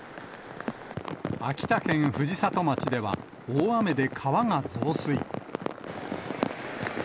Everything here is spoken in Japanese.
秋田県藤里町では、大雨で川が増水。